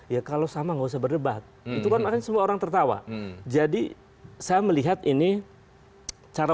ya kalau sama nggak usah berdebat itu kan semua orang tertawa jadi saya melihat ini cara